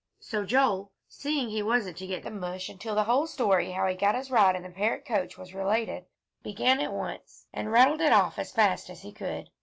So Joel, seeing he wasn't to get the mush until the whole story how he got his ride in the Parrott coach was related, began at once, and rattled it off as fast as he could.